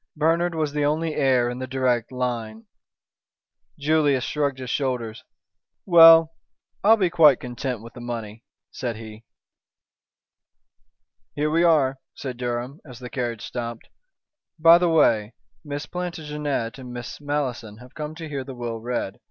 "Bernard was the only heir in the direct line." Julius shrugged his shoulders. "Well, I'll be quite content with the money," said he. "Here we are," said Durham, as the carriage stopped. "By the way, Miss Plantagenet and Miss Malleson have come to hear the will read.